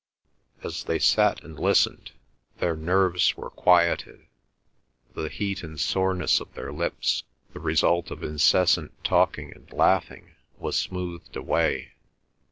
As they sat and listened, their nerves were quieted; the heat and soreness of their lips, the result of incessant talking and laughing, was smoothed away.